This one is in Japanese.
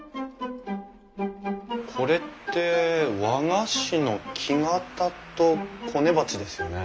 これって和菓子の木型とこね鉢ですよね？